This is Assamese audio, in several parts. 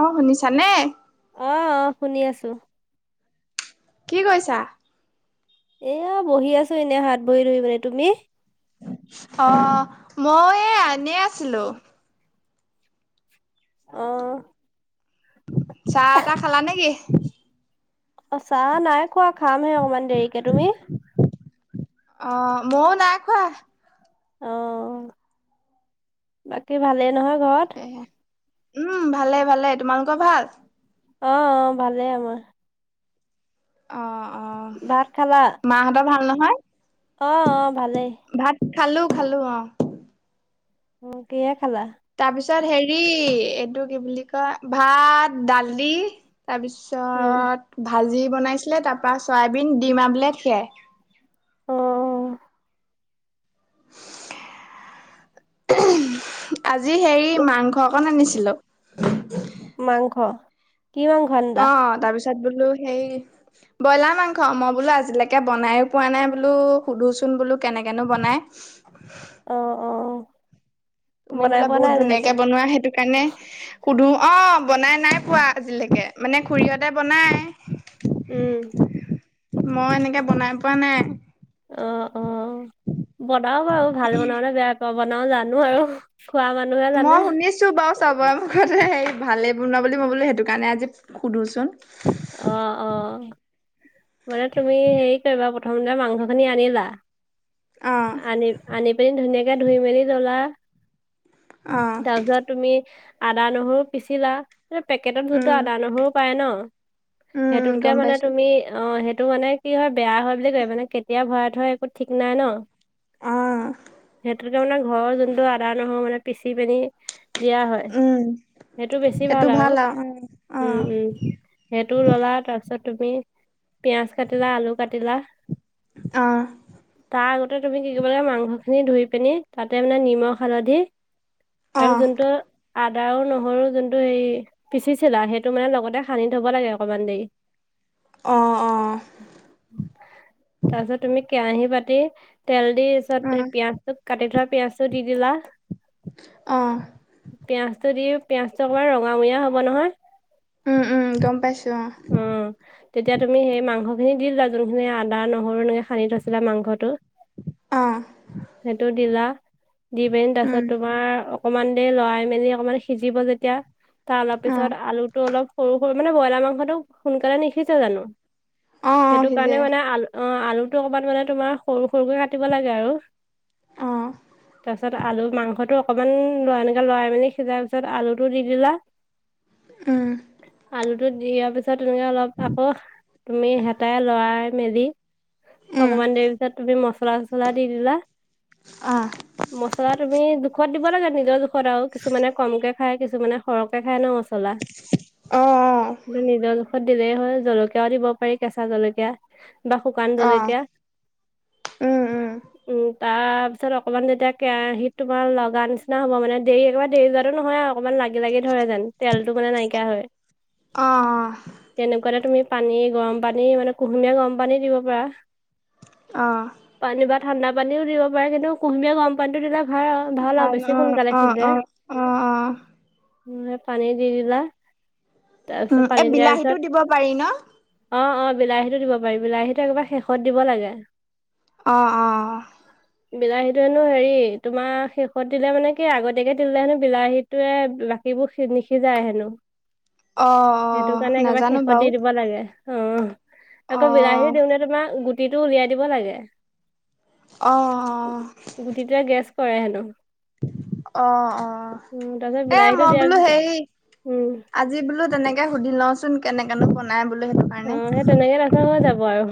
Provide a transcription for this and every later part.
অ' শুনিছা নে? অ', অ' শুনি আছো। কি কৰিছা? এয়া বহি আছো এনে হাত বহি ধই মানে তুমি? অ' মই এই এনে আছিলো। অ চাহ - তাহ খালা নেকি? অ চাহ নাই খোৱা খামহে অকণমান দেৰিকে, তুমি? অ মইও নাই খোৱা। অ, বাকী ভালেই নহয় ঘৰত? এয়া, উম ভালে - ভালে, তোমালোকৰ ভাল? অ অ ভালেই আমাৰ। অ অহ, ভাত খালা? মাহঁতৰ ভাল নহয়? অ অ ভালেই। ভাত খালো খালো অ। অ কিহে খালা? তাৰ পিছত হেৰি এইটো কি বুলি কয় ভাত, দালি তাৰপিছত উম। ভাজি বনাইছিলে তাৰ পৰা চয়াবিন, দিম আমলেট সেয়াই। অ অ। অহম, আজি হেৰি তো মাংস অকণ আনিছিলোঁ। মাংস, কিহং অ তাৰ পিছত বোলো সেই ব্ৰইলাৰ মাংস, মই বোলো আজিলৈকে বনাই পোৱা নাই বোলো সুধোচোন বোলো কেনেকেনো বনাই? অ অ। তুমি বনাই বোলে পোৱা বহুত নাই আজিলৈকে? ধুনীয়াকে বনোৱা সেইটো কাৰণে সুধো, অ বনাই নাই পোৱা আজিলৈকে মানে খুৰীহতে বনাই উম। মই এনেকে বনাই পোৱা নাই। অ অ, বনাও বাৰু ভাল বনাবলে বেয়া ত বনাও জানো আৰু খোৱা মা মই শুনিছ ছোঁ বাৰু চবৰ মুখতে হেৰি ভালেই বনায় বুলি মই বোলো সেইটো কাৰণে আজি সুধোচোন? অ অ মানে তুমি হেৰি কৰিবা প প্ৰথমতে মাংসখিনি আনিলা, অ আনি আনি পিনে ধুনীয়াকে ধুই মেলি জ্বলা অ তাৰপিছত তুমি আদা, নহৰু পিছিলা, কিন্তু পেকেটত উম যোনটো আদা, নহৰু পায় ন উম সেইটোকে গম মানে পাইছো তুমি অ সেইটো মানে কি হয় বেয়া হয় বুলি কয় মানে কেতিয়া ভৰাই থয় একো ঠিক নাই ন অ সেইটো সেইটোৰ কাৰণে ঘৰৰ যোনটো আদা, নহৰু মানে পিছি পেনি আহ দিয়া হয় উম সেইটো বেছি ভাল আৰু উম উম। সেইটো ললা তাৰপিছত তুমি পিয়াজ কাটিলা, আলু কাটিলা অ তাৰ টো তুমি কি কৰিব লাগে মাংসখিনি ধুই পিনে তাতে মানে নিমখ, হালধি অ আৰু অ যোনটো আদা আৰু নহৰু যোনটো হেৰি পিচিছিলা সেইটো মানে লগতে সানি থব লাগে অকণমান দেৰি। অ', অ', তাৰপিছত তুমি কেৰাহী পাতি তেল দি পিছত উম, সেই পিয়াজটো কাটি থোৱা পিয়াজটো দি দিলা। অ', পিয়াজটো দি পিয়াজটো একেবাৰে ৰঙামূৰীয়া হব নহয়। উম উম গম পাইছো অ। অ তেতিয়া তুমি সেই মাংসখিনি দিলা যোনখিনি আদা, নহৰু এনেকে সানি থৈছিলা মাংসটো। অ', সেইটো দিলা। দি পিনি উম, তাৰপিছত তোমাৰ অকমান দেৰি লৰাই মেলি অকমান সিজিব যেতিয়া, তাৰ অলপ অ', পিছত আলুটো অলপ সৰু সৰু মানে ব্ৰইলাৰ মাংসটো সোনকালে নিসিজে জানো? অ', অ', সেইটো কাৰণে সিজে মানে আলু অ আলুটো অকমান মানে তোমাৰ সৰু সৰুকে কাটিব লাগে আৰু। অ', তাৰপিছত আলু মাংসটো- অকমান লৰা এনেকে লৰাই মেলি সিজাৰ পিছত আলুটো দি দিলা। উম। আলুটো দিয়াৰ পিছত তেনেকৈ অলপ আকৌ, তুমি হেতাই লৰাই মেলি- উম, অকমান দেৰি পিছত তুমি মচলা চছলা দি দিলা। আ। মচলা তুমি জোখত দিব লাগে নিজৰ জোখত আৰু, কিছুমানে কমকে খাই, কিছুমানে সৰহকে খাই ন মছলা। অ অ। নিজৰ জোখত দিলেই হ'ল। জলকীয়াও দিব পাৰি কেঁচা জলকীয়া বা শুকান অ', জলকীয়া। উম উম। উম। তাৰ পিছত অকমান যেতিয়া কেৰাহিত তোমাৰ লগা নিচিনা হ'ব, মানে দেৰি একেবাৰে দেৰি যোৱাটো নহয় আৰু। অকমান লাগি লাগি ধৰে যেন, তেলতটো মানে নাইকিয়া হয়। অ। তেনেকুৱাতে তুমি পানী গৰম পানী মানে কুহুমীয়া গৰম পানী দিব পাৰা। অহ। পানী বা ঠাণ্ডা পানীও দিব পাৰে কিন্তু কুহুমীয়া গৰম পানীতো দিলে- ভাল আৰু আৰু ভাল অ। বেছি সোনকালে অ, সিজে। অ, অ, অ। উম পানী দি দিলা, তাৰপিছত উম, এই পানী দিয়াৰ বিলাহীটো পিছত- দিব পাৰি ন? অ, অ, বিলাহীতো দিব পাৰি। বিলাহীটো একবাৰে শেষত দিব লাগে। অ, অ। বিলাহীতো হেনো হেৰি তোমাৰ শেষত দিলে মানে কি আগতীয়াকে দিলে হেনো বিলাহীত- তোয়ে বাকীবোৰ সি নিসিজায় হেনো। অ'। সেইটো অ', কাৰণে একেবাৰে নাজানো শেষত বাৰু দি দিব লাগে। অ আকৌ বিলাহী অ', দিওঁতে তোমাৰ গুটিটো উলিয়াই দিব লাগে। অ, অ। গুটিটোয়ে গেছ কৰে হেনো। অ, অ। উম তাৰপিছত এ বিলাহীটো মই দিয়াৰ বোলো হেৰি- উম আজি বোলো তেনেকে সুধি লওঁ চোন, কেনেকেনো বনাই বোলো সেইটো। কাৰণে উম, সেই তেনেকে দেখোন হৈ যাব আৰু।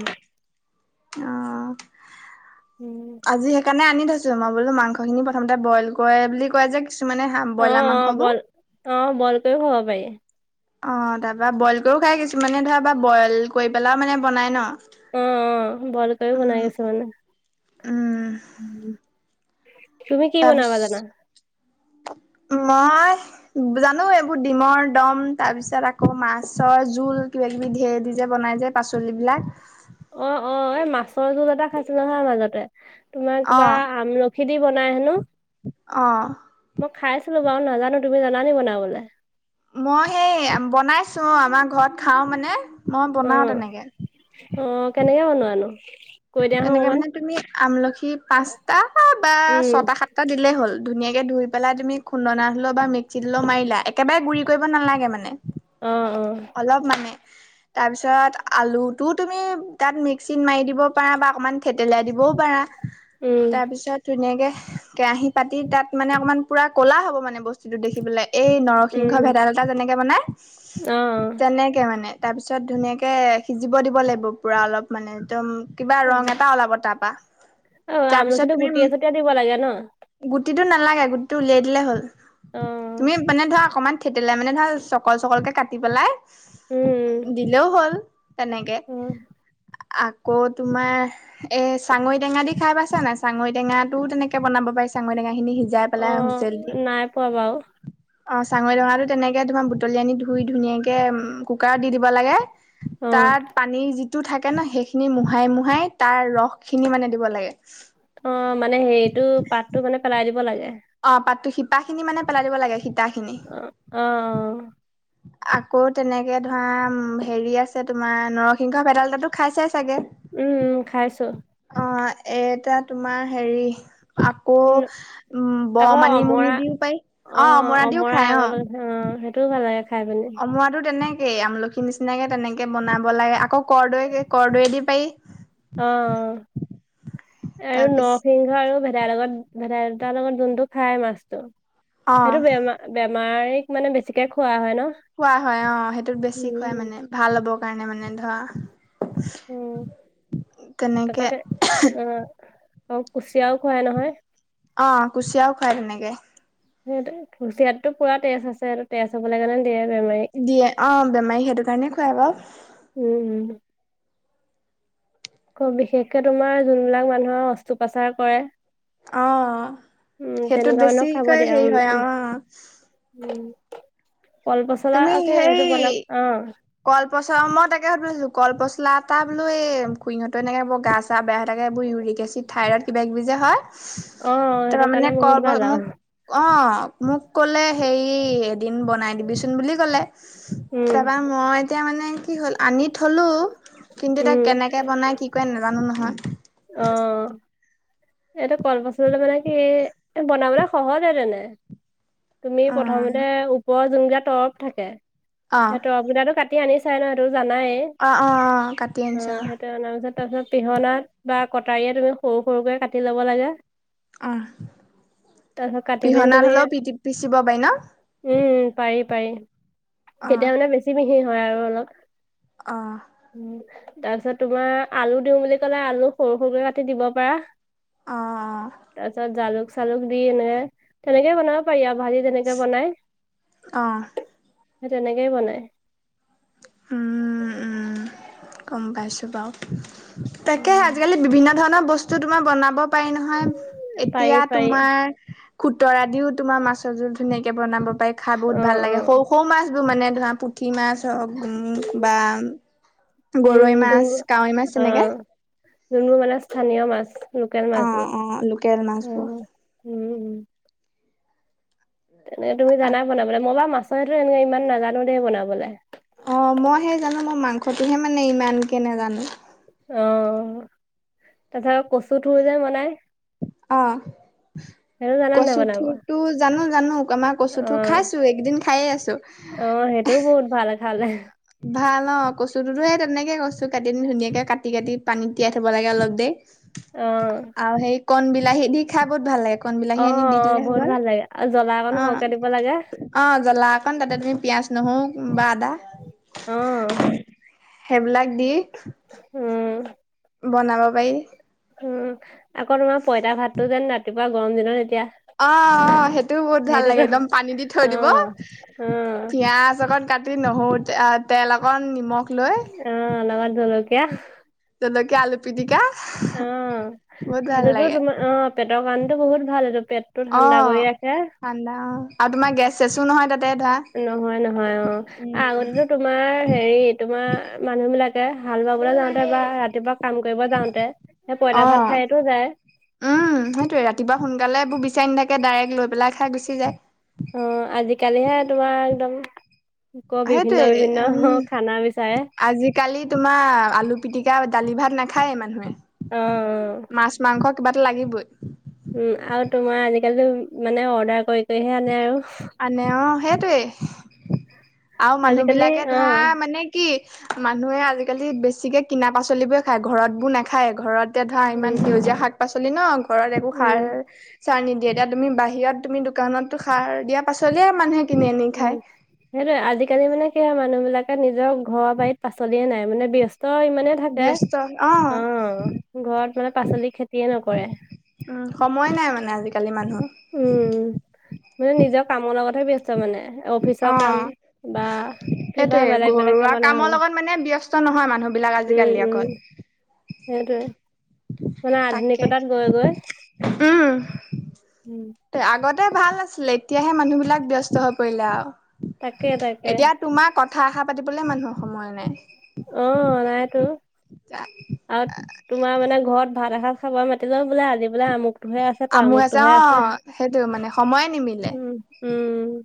অ। উম। আজি সেইকাৰণে আনি থৈছো। মই বোলো মাংসখিনি প্ৰথমতে বইল কৰে বুলি কয় যে কিছুমানে- অ, ব্ৰইলাৰ অ। মাংসবোৰ। বইল অ, বইলকৰিও খাব পাৰি। অ। তাৰপা বইল কৰিও খাই কিছুমানে ধৰা বা বইল কৰি পেলাও মানে বনাই ন। অ, অ। বইল কৰিও উম, বনাই কিছুমানে। উম, তুমি কি বনাবা জানা তাৰপিছত মই- জানো এইবোৰ ডিমৰ দম, তাৰ পিছত আকৌ মাছৰ জোল, কিবা কিবি ধেৰ দি যে বনাই যে- পাচলিবিলাক। অ অ। এই মাছৰ জোল এটা খাইছিলো নহয় মাজতে, তোমাৰ কিবা অ', আমল খী দি বনাই হেনো অ'। মই খাইছিলো বাও নাজানো তুমি জানা নি বনাবলে। মই সেই বনাইছো আমাৰ ঘৰত খাও মানে মই অ বনাও তেনেকে। অ' কেনেকে বনোৱা নো? তেনেকে মানে তুমি আমলখি পাঁচটা বা উম, ছটা সাত টা দিলেই হল ধুনীয়াকে ধুই পেলাই তুমি খুন্দনাত হলো বা মিক্সিত হলেও মাৰিলা একেবাৰে গুৰি কৰিব নালাগে মানে। অ অ। অলপ মানে তাৰপিছত আলুটো তুমি তাত মিক্সিত মাৰি দিব বা অকমান থেতেলাই দিবও পাৰা উম, তাৰপিছত ধুনীয়াকে কেৰাহিত পাতি তাত মানে অকণমান পুৰা ক'লা হ'ব মানে বস্তুটো দেখিবলে এই উম, নৰসিংহ উম, ভেদাইলতা যেনেকে বনাই অ', তেনেকে মানে তাৰপিছত ধুনীয়াকে সিজিব দিব লাগিব পুৰা অলপ মানে একদম কিবা অ', উম। ৰং এটা ওলাব তাৰপা অ', তাৰ পিছত আমলখিটো গুটিয়ে তুমি চুটিয়ে দিব লাগে ন? গুটিটো নালাগে গুটিটো উলিয়াই দিলে হ'ল অ তুমি মানে ধৰা অকনমান থেতেলাই মানে ধৰা চকল চকলকে কাটি পেলাই উম, দিলেও হ'ল তেনেকে উম, আকৌ তোমাৰ এ চাঙৰি টেঙা দি খাই পাইছা নাই চাঙৰি টেঙাটো তেনেকে বনাব পাৰি চাঙৰি টেঙা খিনি সি জাই পেলাই অ', হুইচেল দি অ', নাই পোৱা বাৰু অ চাঙৰি টেঙাটো তেনেকে তোমাৰ বুটলি আনি ধুই ধুনীয়াকে কুকাৰত দি দিব লাগে অ', তাত পানীৰ যিটো থাকে ন সেইখিনি মো হাই মোহাই তাৰ ৰসখিনি মানে দিব লাগে অ মানে হেৰিটো পাতটো মানে পেলাই দিব লাগে অ পাতটো শিপাখিনি মানে পেলাই দিব লাগে সীতাখিনি অ আকৌ তেনেকে ধৰা হেৰি আছে তোমাৰ নৰসিংহ ভেদাইলতো খাই চাই চাগে উম উম খাইছো অ এটা তোমাৰ হেৰি আকৌ উম, ব আকৌ অমৰা মানিমুনি দিও পাৰি অ মৰা দিও অমৰা খাই অ আগৰ লগত অ সেইটোও ভাল লাগে খাই পিনি অমৱাটো তেনেকেই আমলখি নিচিনাকে তেনেকে বনাব লাগে আকৌ কৰৰ্দৈ কৰৰ্দৈ দি পাৰি অ আৰু তাৰপিছত নৰসিং হ আৰু ভেদাইৰ লগত ভেদাইলতাৰ লগত যোনটো খাই মাছতো অ' সেইটো বেমাৰ বেমাৰীক মানে বেছিকে খোৱা হয় ন খোৱা হয় অ সেইটোত বেছি খুৱাই উম, মানে ভাল হ'ব কাৰণে মানে ধৰা উম, তেনেকে তাকতে এহ অ', অ কুচিয়াও খুৱাই নহয় অ কুচিয়াও খোৱাই তেনেকে উম কুচিয়াততো পুৰা তেজ আছে সেইটো তেজ হবলৈ কাৰণে বেয়া বেমাৰী দিয়ে অ বেমাৰীক সেইটো কাৰণে খুৱাই বাও উম উম আকৌ বিশেষকে তোমাৰ যোনবিলাক মানুহৰ অস্ত্ৰোপাচাৰ কৰে অ উম, তেনেকুৱা সেইটোত মানুহক খাব বেছিকৈ দিয়ে, হেৰি উম, হয় উম, অ উম কল তুমি পচলাকে সেই সেইটো বনাম অ কলপচলা মই তাকে সুধ আছিলো কল পচলা এটা বোলো এ খুৰিহতো এনেকে বৰ গাহ চাহ বেয়া থাকে এই বোৰ ইউৰিক এচিড থাইড কিবাকিবি যে হয় অ', ত সেইটো মানে কাৰণে ক বহুত ভাল পাছত মোক আৰু অ মোক কলে হেই এদিন বনাই দিবিচোন বুলি কলে উম। তাপা মই এতিয়া মানে কি হ'ল আনি থ'লোঁ কিন্তু এতিয়া উম, কেনেকে বনাই, কি কয় নাজানো নহয় অ এইটো কলপচলাতো মানে কি বনাবলে সহজে তেনে তুমি উম প্ৰথমতে ওপৰৰ যোন কেইটা তৰব থাকে অ সেই তৰবগেইটা কাট টি আনি চাই ন সেইটো জানাই অ অ অ কাটি আনিছো অ কাটি অনাৰ পাছত তাৰ পাছত পিহনাত বা কটাৰীয়ে তুমি সৰু সৰুকৈ কাটি ল'ব লাগে অ তাৰপিছত কাটি পিনি পিহনা তুমি হ'লেও পি পিচিব পাৰি ন উম পাৰি পাৰি অ তেতিয়া মানে বেছি মিহি হয় আৰু অলপ অ উম তাৰ পিছত তোমাৰ আলু দিও বুলি কলে আলু সৰু সৰুকৈ কাটি দিব পাৰা অ অ তাৰ পিছত জালুক চালুক দি এনেকে তেনেকে বনাব পাৰি আৰু ভাজি তেনেকে বনাই অ সেই তেনেকেই বনাই উম উম গম পাইছো বাৰু তাকে হে আজিকালি বিভিন্ন ধৰণৰ বস্তু তোমাৰ বনাব পাৰি নহয় পাৰি এতিয়া পাৰি তোমাৰ খুতৰা দিও তোমাৰ মাছৰ জোল ধুনীয়াকে বনাব পাৰি খাই বহুত অ ভাল অ লাগে সৰু সৰু মাছবোৰ মানে ধৰা পুঠি মাছ হওক বা গৰৈ উম মাছ যোনবো কাৱৈ মাছ অ তেনেকে যোনবোৰ মানে স্থানীয় মাছ লোকেল অঁ মাছবোৰ অঁ লোকেল অহ মাছবোৰ উম উম তেনেকে তুমি জানাই বনাব মই বা মাছৰ এটো এনেকে ইমান নাজানো দেই বনাবলে অ মই সে জানো মই মাংসটোহে মানে ইমানকে নাজানো অ তাৰপাছত কচুটোৰ যে বনাই অ সেইটো জানা নাই বনাব অ কচুথোৰ টো জানো জানো আমাৰ কচুথোৰ খাইছো এইকেইদিন খায়ে আছো অ সেইটোও বহুত ভাল খালে ভাল অ কচুটোতো সেই তেনেকে কচু কাটি আনি ধুনীয়াকে কাটি কাটি পানীত তিয়াই থ'ব লাগে অলপ দেই অ আও সেই কন বিলাহী দি খাই বহুত ভাল লাগে কন বিলাহী অ আনি দি অ দিলে হৈ বহুত গল ভাল লাগে আৰু জ্বলা অকণ অ সৰহকে দিব লাগে অ জ্বলা অকন তাতে তুমি পিয়াঁজ নহৰু বা আদা অহ সেইবিলাক দি উম বনাব পাৰি উম আকৌ তোমাৰ পইতা ভাতটো যেন ৰাতিপুৱা গৰম দিনত এতিয়া অ অ সেইটোও বহুত ভাল লাগে সেইটোতো একদম পানী দি থৈ অ দিব অ পিয়াজ অকণ কাট নহৰু তেল অকণ নিমখ লৈ উম লগত জলকীয়া জলকীয়া আলু পিটিকা অ বহুত ভাল সেইটোতো লাগে। তোমাৰ অ পেটৰ কাৰণেটো বহুত ভাল এইটো পেট অঁ ঠাণ্ডা অ আৰু তোমাৰ গেছ চেছও নহয় তাতে ধৰা। নহয় নহয় অঁ উম আগতে তো তোমাৰ হেৰি তোমাৰ মানুহ বিলাকে হাল বাবলৈ যাওঁতে বা ৰাতিপুৱা কাম কৰিব যাওঁতে সেই পইতাৰ ভাত অ খায়তো যায়। উম সেইটোৱে ৰাতিপুৱা সোনকালে এইবোৰ বিচাৰি নাথাকে ডাইৰেক্ট লৈ পেলাই খাই গুচি যায়। অঁ আজিকালিহে তোমাৰ একদম ক বিভিন্ন সেইটোয়ে বিভিন্ন উম, খানা বিচাৰে। আজিকালি তোমাৰ আলু পিটিকা দালি ভাত নাখায়েই মানুহে। অঁ অঁ। মাছ মাংস কিবা এটা লাগিবই। উম আৰু তোমাৰ আজিকালিটো মানে অৰ্ডাৰ কৰি কৰিহে আনে আৰু। আনে অঁ সেইটোৱে আৰু মানুহ আজিকালি বিলাকে অ ধৰা মানে কি মানুহে আজিকালি বেছিকে কিনা পাচলিবোৰে খায় ঘৰত বোৰ নাখায় ঘৰত এতিয়া ধৰা উম ইমান উম সেউজীয়া শাক পাচলি ন ঘৰত একো উম সাৰ চাৰ নি দিয়ে এতিয়া তুমি বাহিৰত তুমি দোকানতো সাৰ দিয়া পাছলিয়ে মানুহে কিনি আনি উম খায়। সেইটোয়ে আজিকালি মানে কি হয় মানুহ বিলাকে নিজৰ ঘৰৰ বাৰীত পাচলিয়ে নাই মানে ব্য স্ত ইমানেই থাকে ব্যস্ত অ' অঁ ঘৰত মানে পাচলি খেতিয়ে নকৰে। উম, সময় নাই মানে আজিকালি মানুহৰ। উম, মানে নিজৰ কামৰ লগতহে ব্যস্ত মানে। অফিচৰ কাম অ', বা কিবা সেইটোয়ে বেলেগ বেলেগ ঘৰুৱা কামত কামৰ অ', লগত মানে ব্যস্ত নহয় মানুহ বিলাক উম, আজিকালি উম, অকল। সেইটোৱে, মানে তাকে আধুনিকতাত গৈ গৈ। উম তে আগ তে ভাল আছিলে এতিয়াহে মানুহ বিলাক ব্যস্ত হৈ পৰিলে আৰু তাকে তাকে এতিয়া তোমাৰ ক কথা এষাৰ পাতিবলৈ মানুহৰ সময় নাই অঁ নাইতো আৰু তোমাৰ মানে ঘৰত ভাত এসাঁজ খাব মাতিলেও বোলে আজি বোলে আমুক টোহে আছে আমুক তামুকটোহে আছে। অ', সেইটো মানে সময়ে নিমিলে। উম উমম।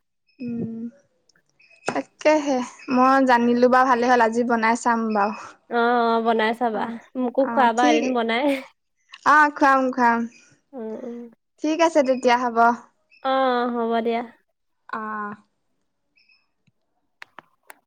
উম তাকেহে মই জানিলো বাৰু ভালে হ'ল আজি আজি বনাই চাম বাৰু। অঁ অঁ বনাই চাবা, অ', মোকো খোৱাবা এদিন বনাই। অঁ খুৱাম খুৱাম। উম উম। ঠিক আছে তেতিয়া হ'ব। অঁ হ'ব দিয়া। অঁহহ।